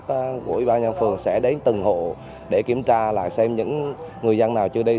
lực lượng công an phường sẽ đến từng hộ để kiểm tra lại xem những người dân nào chưa đi